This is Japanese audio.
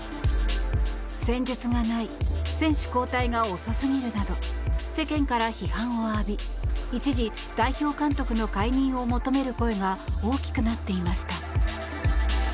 戦術がない選手交代が遅すぎるなど世間から批判を浴び一時、代表監督の解任を求める声が大きくなっていました。